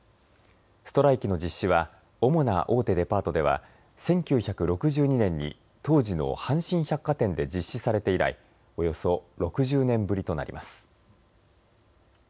ストライキの実施は主な大手デパートでは１９６２年に当時の阪神百貨店で実施されて以来、およそ６０年ぶりとなります。